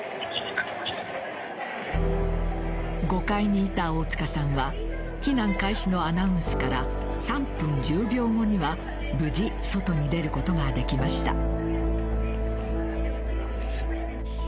５階にいた大塚さんは避難開始のアナウンスから３分１０秒後には無事、外に出ることができました。